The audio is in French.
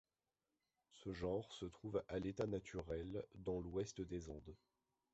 Ce genre se trouve à l'état naturel dans l'Ouest des Andes.